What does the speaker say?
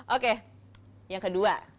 oke yang kedua